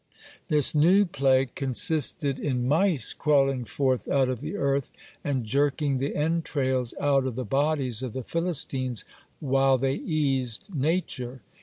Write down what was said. (33) This new plague consisted in mice crawling forth out of the earth, and jerking the entrails out of the bodies of the Philistines while they eased nature.